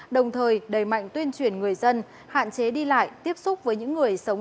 đồng thời đẩy mạnh tuyên truyền người dân hạn chế đi lại tiếp xúc với những người sống